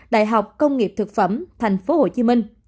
đại học công nghiệp thực phẩm tp hcm